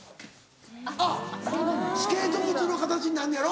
あっスケート靴の形になんのやろ？